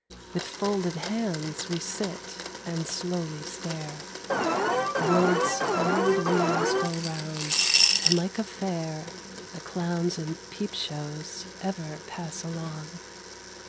With folded hands we sit and slowly stare. The world's old wheels go round, and like a fair The clowns and peep shows ever pass along.